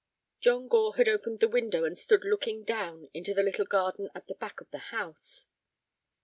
John Gore had opened the window, and stood looking down into the little garden at the back of the house.